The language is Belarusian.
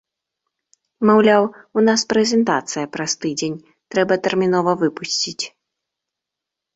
Маўляў, у нас прэзентацыя праз тыдзень, трэба тэрмінова выпусціць.